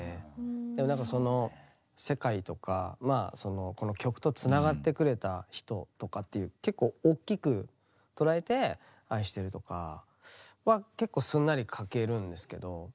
でも何かその世界とかまあそのこの曲とつながってくれた人とかっていう結構おっきく捉えて「愛してる」とかは結構すんなり書けるんですけど。